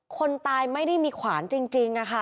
คนตายไม่ได้มีขวานจริง